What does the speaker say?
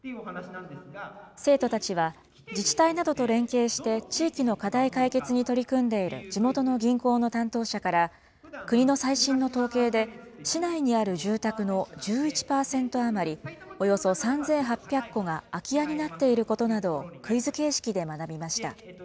生徒たちは、自治体などと連携して、地域の課題解決に取り組んでいる地元の銀行の担当者から、国の最新の統計で、市内にある住宅の１１％余り、およそ３８００戸が空き家になっていることなどをクイズ形式で学びました。